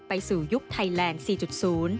ไปสู่ยุคไทยแลนด์๔๐